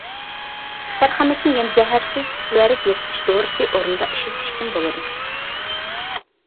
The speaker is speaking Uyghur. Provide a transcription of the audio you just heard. تەرخەمەكنى يەنە زەھەرسىز سۈۋەرەك يوقىتىش دورىسى ئورنىدا ئىشلىتىشكىمۇ بولىدۇ.